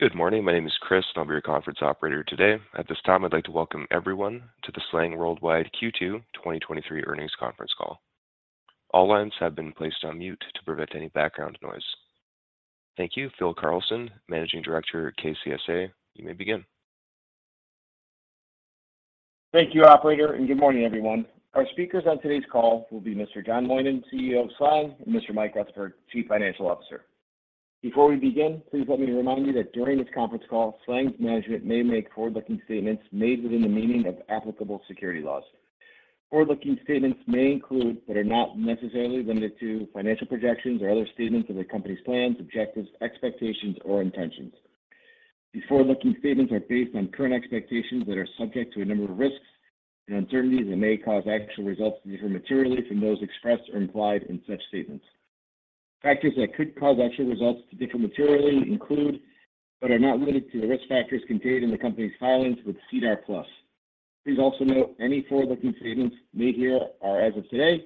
Good morning. My name is Chris, and I'll be your conference operator today. At this time, I'd like to welcome everyone to the SLANG Worldwide Q2 2023 earnings conference call. All lines have been placed on mute to prevent any background noise. Thank you, Phil Carlson, Managing Director, KCSA. You may begin. Thank you, operator, and good morning, everyone. Our speakers on today's call will be Mr. John Moynan, CEO of SLANG, and Mr. Mikel Rutherford, Chief Financial Officer. Before we begin, please let me remind you that during this conference call, SLANG's management may make forward-looking statements made within the meaning of applicable securities laws. Forward-looking statements may include, but are not necessarily limited to, financial projections or other statements of the company's plans, objectives, expectations, or intentions. These forward-looking statements are based on current expectations that are subject to a number of risks and uncertainties that may cause actual results to differ materially from those expressed or implied in such statements. Factors that could cause actual results to differ materially include, but are not limited to, the risk factors contained in the company's filings with SEDAR+. Please also note, any forward-looking statements made here are as of today,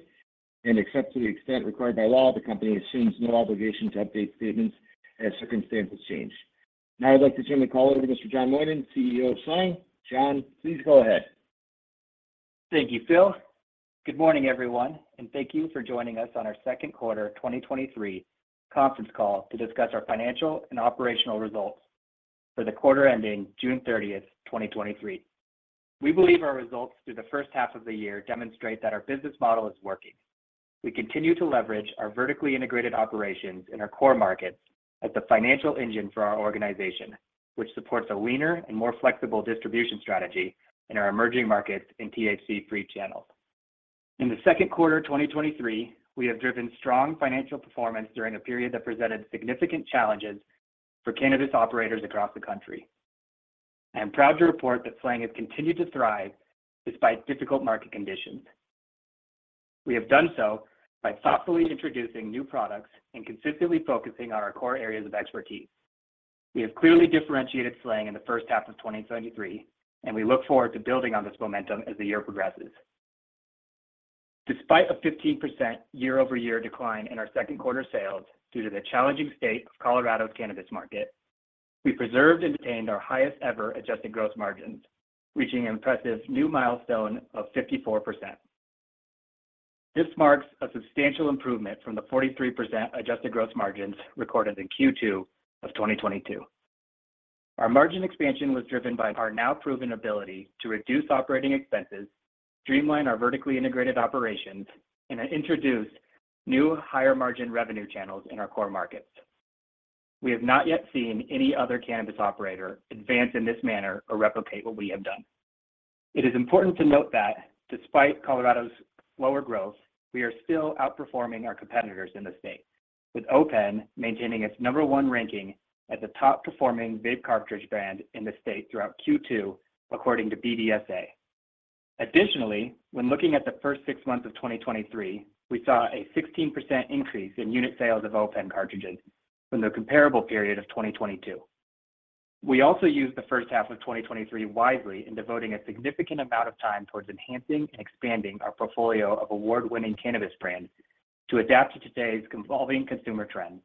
and except to the extent required by law, the company assumes no obligation to update statements as circumstances change. Now, I'd like to turn the call over to Mr. John Moynan, CEO of SLANG. John, please go ahead. Thank you, Phil. Good morning, everyone, and thank you for joining us on our second quarter, 2023 conference call to discuss our financial and operational results for the quarter ending June 30th, 2023. We believe our results through the first half of the year demonstrate that our business model is working. We continue to leverage our vertically integrated operations in our core markets as the financial engine for our organization, which supports a leaner and more flexible distribution strategy in our emerging markets in THC-free channels. In the second quarter, 2023, we have driven strong financial performance during a period that presented significant challenges for cannabis operators across the country. I am proud to report that SLANG has continued to thrive despite difficult market conditions. We have done so by thoughtfully introducing new products and consistently focusing on our core areas of expertise. We have clearly differentiated SLANG in the first half of 2023, and we look forward to building on this momentum as the year progresses. Despite a 15% year-over-year decline in our second quarter sales due to the challenging state of Colorado's cannabis market, we preserved and retained our highest ever adjusted gross margins, reaching an impressive new milestone of 54%. This marks a substantial improvement from the 43% adjusted gross margins recorded in Q2 of 2022. Our margin expansion was driven by our now proven ability to reduce operating expenses, streamline our vertically integrated operations, and introduce new, higher-margin revenue channels in our core markets. We have not yet seen any other cannabis operator advance in this manner or replicate what we have done. It is important to note that despite Colorado's lower growth, we are still outperforming our competitors in the state, with O.pen maintaining its number one ranking as the top-performing vape cartridge brand in the state throughout Q2, according to BDSA. Additionally, when looking at the first six months of 2023, we saw a 16% increase in unit sales of O.pen cartridges from the comparable period of 2022. We also used the first half of 2023 wisely in devoting a significant amount of time towards enhancing and expanding our portfolio of award-winning cannabis brands to adapt to today's evolving consumer trends.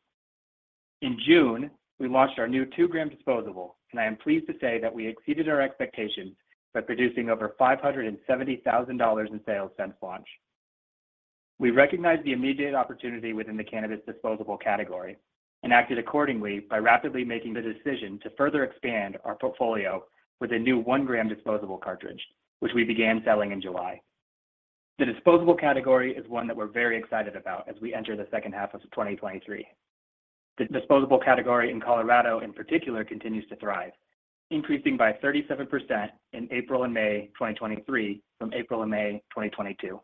In June, we launched our new 2-gram disposable, and I am pleased to say that we exceeded our expectations by producing over $570,000 in sales since launch. We recognized the immediate opportunity within the cannabis disposable category and acted accordingly by rapidly making the decision to further expand our portfolio with a new 1-gram disposable cartridge, which we began selling in July. The disposable category is one that we're very excited about as we enter the second half of 2023. The disposable category in Colorado, in particular, continues to thrive, increasing by 37% in April and May 2023 from April and May 2022.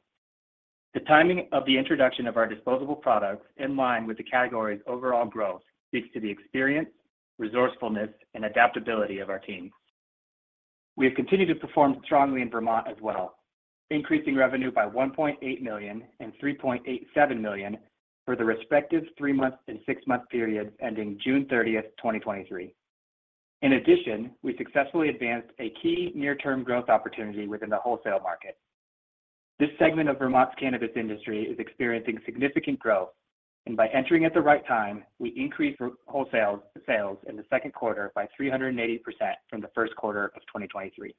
The timing of the introduction of our disposable products in line with the category's overall growth speaks to the experience, resourcefulness, and adaptability of our team. We have continued to perform strongly in Vermont as well, increasing revenue by $1.8 million and $3.87 million for the respective three-month and six-month period ending June thirtieth, 2023. In addition, we successfully advanced a key near-term growth opportunity within the wholesale market. This segment of Vermont's cannabis industry is experiencing significant growth, and by entering at the right time, we increased our wholesale sales in the second quarter by 380% from the first quarter of 2023.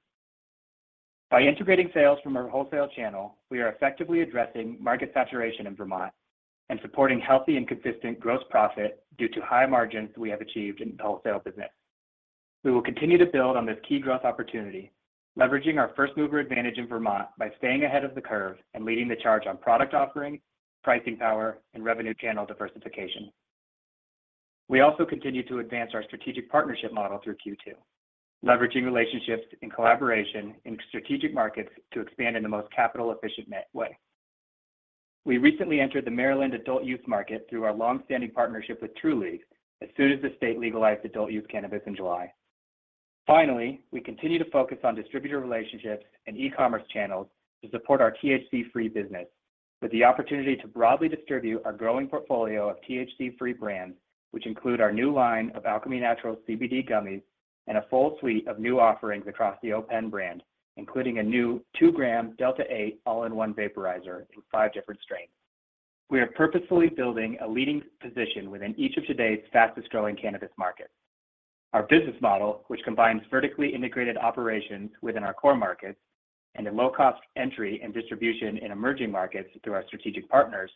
By integrating sales from our wholesale channel, we are effectively addressing market saturation in Vermont and supporting healthy and consistent gross profit due to high margins we have achieved in the wholesale business. We will continue to build on this key growth opportunity, leveraging our first-mover advantage in Vermont by staying ahead of the curve and leading the charge on product offerings, pricing power, and revenue channel diversification. We also continued to advance our strategic partnership model through Q2, leveraging relationships in collaboration in strategic markets to expand in the most capital-efficient net way. We recently entered the Maryland adult-use market through our long-standing partnership with Trulieve as soon as the state legalized adult-use cannabis in July. Finally, we continue to focus on distributor relationships and e-commerce channels to support our THC-free business, with the opportunity to broadly distribute our growing portfolio of THC-free brands, which include our new line of Alchemy Naturals CBD gummies and a full suite of new offerings across the O.pen brand, including a new 2-gram Delta-8 all-in-one vaporizer in five different strains. We are purposefully building a leading position within each of today's fastest-growing cannabis markets. Our business model, which combines vertically integrated operations within our core markets and a low-cost entry and distribution in emerging markets through our strategic partners,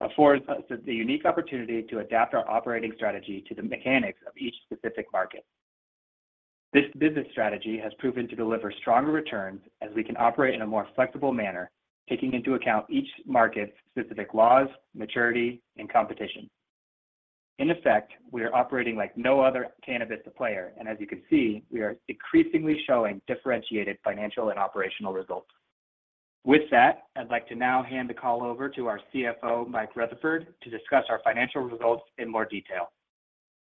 affords us the unique opportunity to adapt our operating strategy to the mechanics of each specific market. This business strategy has proven to deliver stronger returns as we can operate in a more flexible manner, taking into account each market's specific laws, maturity, and competition. In effect, we are operating like no other cannabis player, and as you can see, we are increasingly showing differentiated financial and operational results. With that, I'd like to now hand the call over to our CFO, Mikel Rutherford, to discuss our financial results in more detail.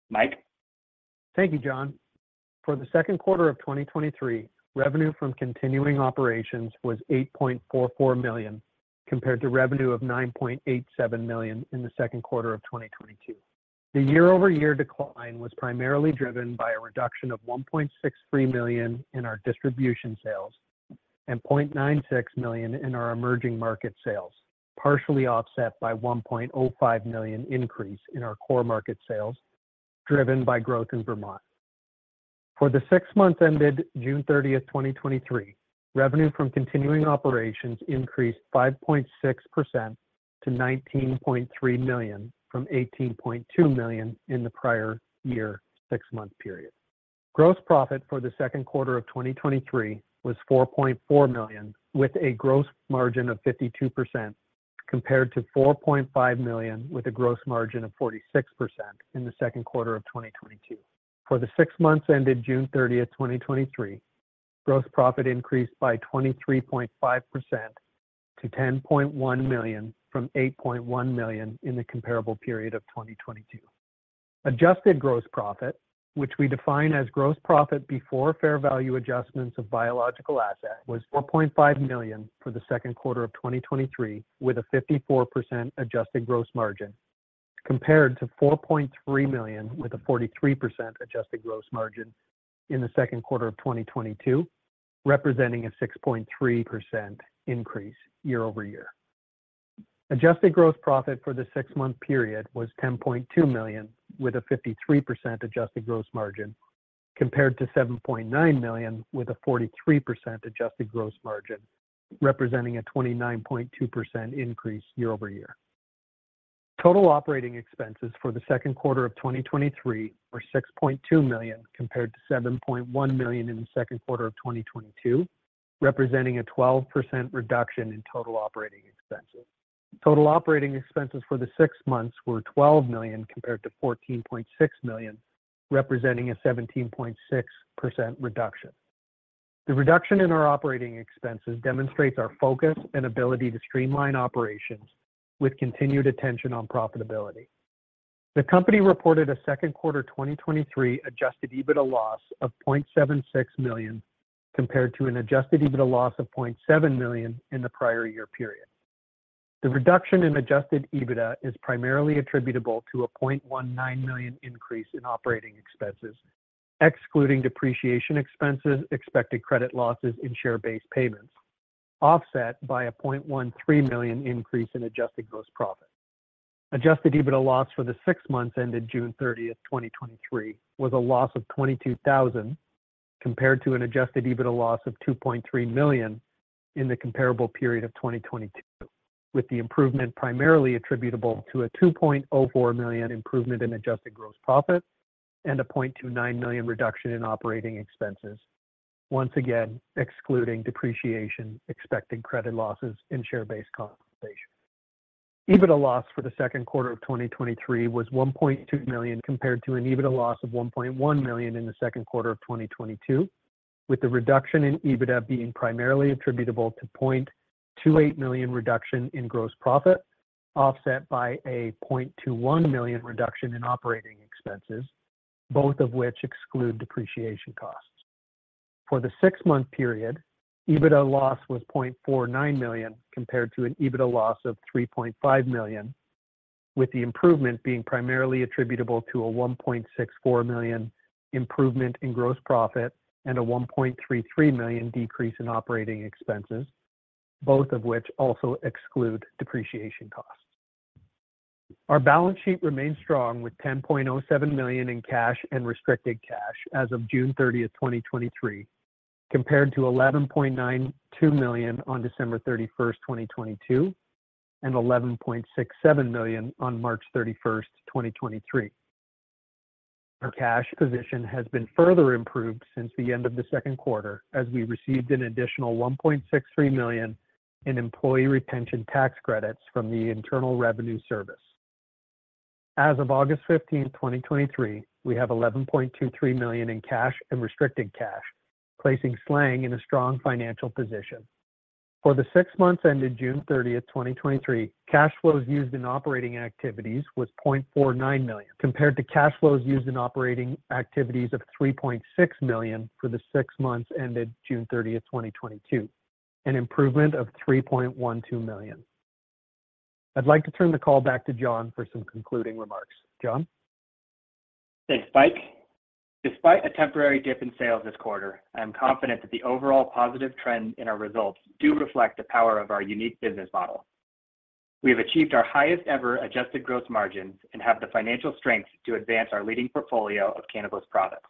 Mike? Thank you, John. For the second quarter of 2023, revenue from continuing operations was $8.44 million, compared to revenue of $9.87 million in the second quarter of 2022. The year-over-year decline was primarily driven by a reduction of $1.63 million in our distribution sales and $0.96 million in our emerging market sales, partially offset by $1.05 million increase in our core market sales, driven by growth in Vermont. For the six months ended June 30, 2023, revenue from continuing operations increased 5.6% to $19.3 million from $18.2 million in the prior year six-month period. Gross profit for the second quarter of 2023 was 4.4 million, with a gross margin of 52%, compared to 4.5 million, with a gross margin of 46% in the second quarter of 2022. For the six months ended June 30, 2023, gross profit increased by 23.5% to 10.1 million from 8.1 million in the comparable period of 2022. Adjusted gross profit, which we define as gross profit before fair value adjustments of biological assets, was 4.5 million for the second quarter of 2023, with a 54% adjusted gross margin, compared to 4.3 million, with a 43% adjusted gross margin in the second quarter of 2022, representing a 6.3% increase year-over-year. Adjusted gross profit for the six-month period was 10.2 million, with a 53% adjusted gross margin, compared to 7.9 million, with a 43% adjusted gross margin, representing a 29.2% increase year-over-year. Total operating expenses for the second quarter of 2023 were 6.2 million, compared to 7.1 million in the second quarter of 2022, representing a 12% reduction in total operating expenses. Total operating expenses for the six months were 12 million, compared to 14.6 million, representing a 17.6% reduction. The reduction in our operating expenses demonstrates our focus and ability to streamline operations with continued attention on profitability. The company reported a second quarter 2023 Adjusted EBITDA loss of 0.76 million, compared to an Adjusted EBITDA loss of 0.7 million in the prior year period. The reduction in Adjusted EBITDA is primarily attributable to a 0.19 million increase in operating expenses, excluding depreciation expenses, expected credit losses, and share-based payments, offset by a 0.13 million increase in adjusted gross profit. Adjusted EBITDA loss for the six months ended June 30, 2023, was a loss of 22,000, compared to an Adjusted EBITDA loss of 2.3 million in the comparable period of 2022, with the improvement primarily attributable to a 2.04 million improvement in adjusted gross profit and a 0.29 million reduction in operating expenses, once again, excluding depreciation, expected credit losses, and share-based compensation. EBITDA loss for the second quarter of 2023 was 1.2 million, compared to an EBITDA loss of 1.1 million in the second quarter of 2022, with the reduction in EBITDA being primarily attributable to 0.28 million reduction in gross profit, offset by a 0.21 million reduction in operating expenses, both of which exclude depreciation costs. For the six-month period, EBITDA loss was 0.49 million, compared to an EBITDA loss of 3.5 million, with the improvement being primarily attributable to a 1.64 million improvement in gross profit and a 1.33 million decrease in operating expenses, both of which also exclude depreciation costs. Our balance sheet remains strong, with $10.07 million in cash and restricted cash as of June 30, 2023, compared to $11.92 million on December 31, 2022, and $11.67 million on March 31, 2023. Our cash position has been further improved since the end of the second quarter, as we received an additional $1.63 million in employee retention tax credits from the Internal Revenue Service. As of August 15, 2023, we have $11.23 million in cash and restricted cash, placing SLANG in a strong financial position. For the six months ended June 30, 2023, cash flows used in operating activities was 0.49 million, compared to cash flows used in operating activities of 3.6 million for the six months ended June 30, 2022, an improvement of 3.12 million. I'd like to turn the call back to John for some concluding remarks. John? Thanks, Mike. Despite a temporary dip in sales this quarter, I am confident that the overall positive trend in our results do reflect the power of our unique business model. We have achieved our highest ever adjusted gross margins and have the financial strength to advance our leading portfolio of cannabis products.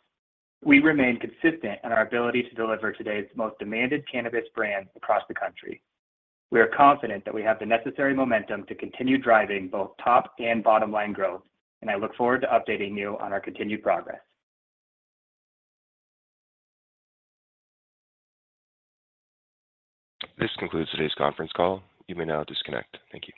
We remain consistent in our ability to deliver today's most demanded cannabis brands across the country. We are confident that we have the necessary momentum to continue driving both top and bottom line growth, and I look forward to updating you on our continued progress. This concludes today's conference call. You may now disconnect. Thank you.